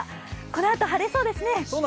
このあと晴れそうですね。